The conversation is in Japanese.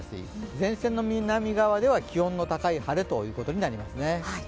前線の南側では、気温の高い晴れということになりますね。